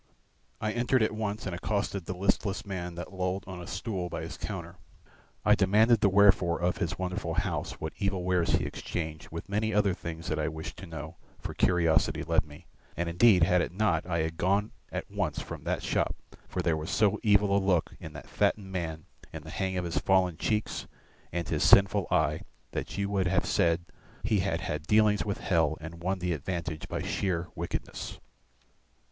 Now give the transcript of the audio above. I entered at once and accosted the listless man that lolled on a stool by his counter. I demanded the wherefore of his wonderful house, what evil wares he exchanged, with many other things that I wished to know, for curiosity led me; and indeed had it not I had gone at once from that shop, for there was so evil a look in that fattened man, in the hang of his fallen cheeks and his sinful eye, that you would have said he had had dealings with Hell and won the advantage by sheer wickedness.